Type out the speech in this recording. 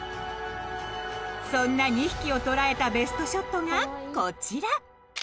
そんな２匹を捉えたベストショットがこちら！